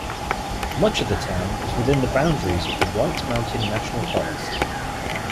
Much of the town is within the boundaries of the White Mountain National Forest.